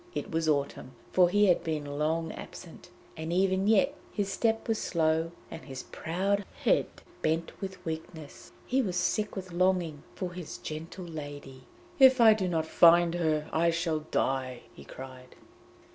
It was autumn, for he had been long absent, and even yet his step was slow and his proud head bent with weakness. He was sick with longing for his gentle lady; 'If I do not find her, I shall die!' he cried.